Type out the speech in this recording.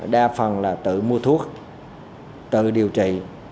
đa phần là tự mua thuốc tự điều trị